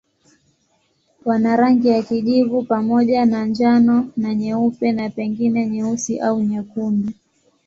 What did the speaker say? Wana rangi ya kijivu pamoja na njano na nyeupe na pengine nyeusi au nyekundu.